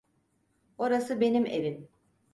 Orası benim evim.